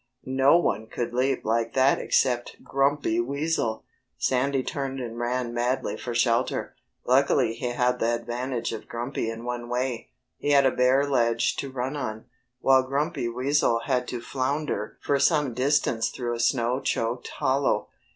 No one could leap like that except Grumpy Weasel! Sandy turned and ran madly for shelter. Luckily he had the advantage of Grumpy in one way. He had a bare ledge to run on, while Grumpy Weasel had to flounder for some distance through a snow choked hollow.